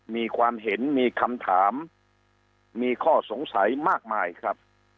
มีความเห็นมีคำถามมีข้อสงสัยมากมายครับ